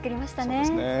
そうですね。